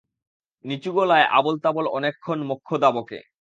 নিচুগলায় আবোলতাবোল অনেকক্ষণ মোক্ষদা বকে।